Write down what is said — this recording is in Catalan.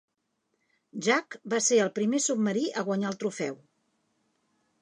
"Jack" va ser el primer submarí a guanyar el trofeu.